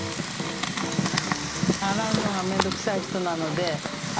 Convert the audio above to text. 洗うのが面倒くさい人なのであ